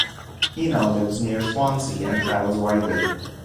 He now lives near Swansea, and travels widely.